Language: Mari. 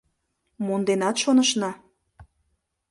Монденат, шонышна...